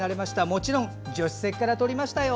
もちろん助手席から撮りましたよ。